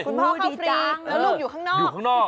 คุณพ่อเข้าฟรีแล้วลูกอยู่ข้างนอก